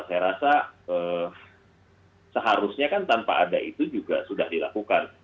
saya rasa seharusnya kan tanpa ada itu juga sudah dilakukan